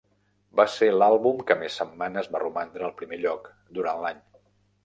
Va ser l'àlbum que més setmanes va romandre al primer lloc durant l'any.